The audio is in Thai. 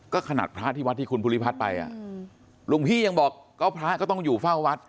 ก็ขนาดพระที่วัดที่คุณภูริพัฒน์ไปอ่ะหลวงพี่ยังบอกก็พระก็ต้องอยู่เฝ้าวัด